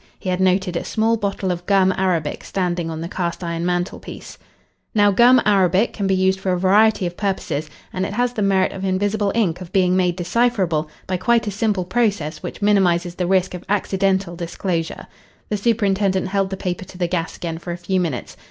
He had noted a small bottle of gum arabic standing on the cast iron mantelpiece. Now, gum arabic can be used for a variety of purposes, and it has the merit of invisible ink of being made decipherable by quite a simple process which minimises the risk of accidental disclosure. The superintendent held the paper to the gas again for a few minutes.